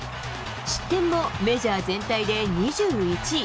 失点もメジャー全体で２１位。